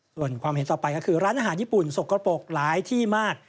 ส่วนความเห็นต่อไปก็คือร้านอาหารญี่ปุ่นสกปรกหลายที่มาก